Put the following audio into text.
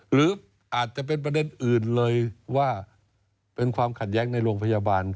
หรืออาจจะเป็นประเด็นอื่นเลยว่าเป็นความขัดแย้งในโรงพยาบาล